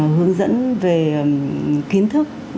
hướng dẫn về kiến thức